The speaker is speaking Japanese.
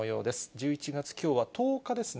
１１月きょうは１０日ですね。